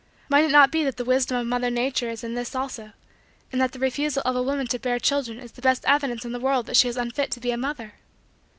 Might it not be that the wisdom of Mother Nature is in this also, and that the refusal of a woman to bear children is the best evidence in the world that she is unfit to be a mother?